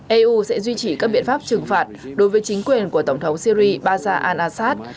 eu sẽ duy trì các biện pháp trừng phạt đối với chính quyền của tổng thống syri baza al assad